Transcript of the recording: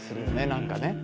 何かね。